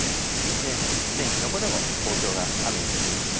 で「天気の子」でも東京が雨にしずんでしまう。